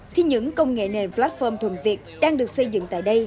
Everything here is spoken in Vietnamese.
khi những công nghệ nền platform thuần việt đang được xây dựng tại đây